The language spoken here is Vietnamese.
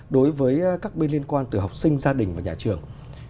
đối với các bên liên quan từ học sinh gia đình và nhà trường